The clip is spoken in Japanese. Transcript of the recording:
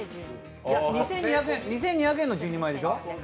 ２２００円の１０人分でしょ？